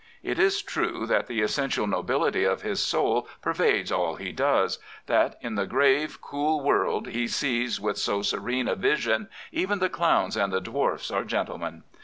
It is true that the essenti^ nobility of his soul pervades all he does — ^that in the grave, cool world he sees with so serene a vision even the clowns and the dwarfs are gentlemen.